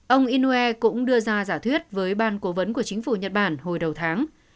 ông inue cũng đưa ra giả thuyết với ban cố vấn của chính phủ nhật bản hồi đầu tháng